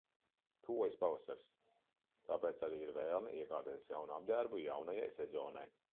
Tuvojas pavasaris, tāpēc arī ir vēlme iegādāties jaunu apģērbu jaunajai sezonai.